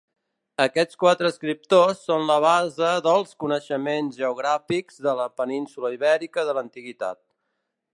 Aquests quatre escriptors són la base dels coneixements geogràfics de la península Ibèrica de l'Antiguitat.